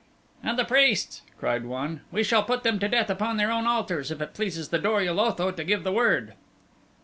"And the priests," cried one. "We shall put them to death upon their own altars if it pleases the Dor ul Otho to give the word."